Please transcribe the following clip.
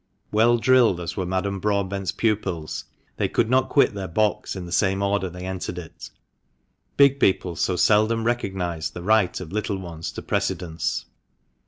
Well drilled as were Madame Broadbent's pupils, they could not quit their box in the same order they entered it — big people so seldom recognise the right of little ones to precedence.